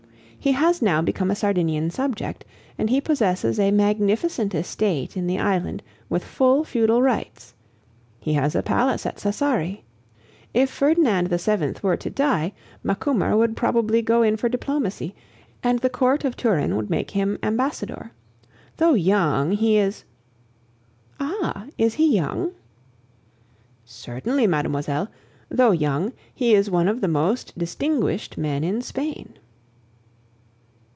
"He has now become a Sardinian subject, and he possesses a magnificent estate in the island with full feudal rights. He has a palace at Sassari. If Ferdinand VII. were to die, Macumer would probably go in for diplomacy, and the Court of Turin would make him ambassador. Though young, he is " "Ah! he is young?" "Certainly, mademoiselle... though young, he is one of the most distinguished men in Spain."